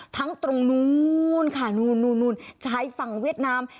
ตรงนู้นค่ะนู่นชายฝั่งเวียดนาม